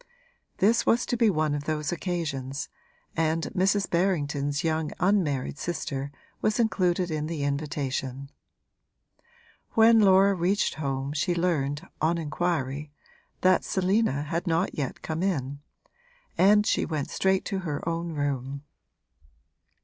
This was to be one of those occasions, and Mrs. Berrington's young unmarried sister was included in the invitation. When Laura reached home she learned, on inquiry, that Selina had not yet come in, and she went straight to her own room.